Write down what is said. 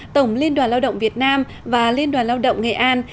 tổng liên đoàn lao động việt nam và liên đoàn lao động nghệ an